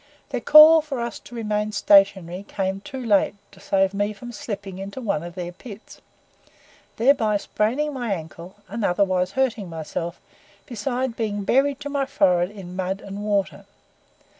Their call for us to remain stationary came too late to save me from slipping into one of their pits, thereby spraining my ankle and otherwise hurting myself, besides being buried to my forehead in mud and water.